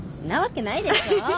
なわけないでしょ！